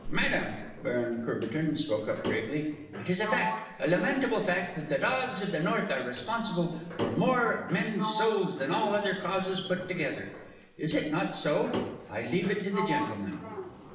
"Madame," Baron Courbertin spoke up gravely, "it is a fact, a lamentable fact, that the dogs of the north are responsible for more men's souls than all other causes put together. Is it not so? I leave it to the gentlemen."